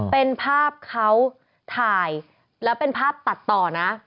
เป็นภาพเขาถ่ายแล้วเป็นภาพตัดต่อนะ